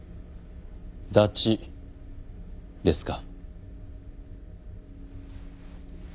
ダチですか。